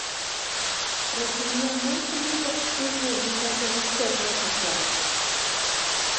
Rydyn ni angen prynu bocsys newydd ar gyfer storio pethau.